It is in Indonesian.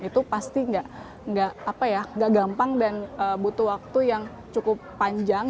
itu pasti gak gampang dan butuh waktu yang cukup panjang